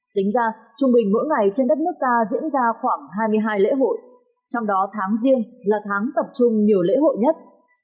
tính ra trung bình mỗi ngày trên đất nước ta diễn ra khoảng hai mươi hai lễ hội trong đó tháng riêng là tháng tập trung nhiều lễ hội nhất